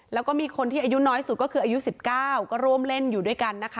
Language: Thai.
แล้วก็มีคนที่อายุน้อยสุดก็คืออายุ๑๙ก็ร่วมเล่นอยู่ด้วยกันนะคะ